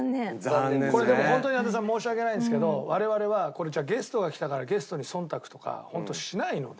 これでもホントに羽田さん申し訳ないんですけど我々はゲストが来たからゲストに忖度とかホントしないので。